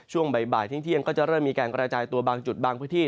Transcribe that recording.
ช่วงบ่ายเที่ยงก็จะเริ่มมีการกระจายตัวบางจุดบางพื้นที่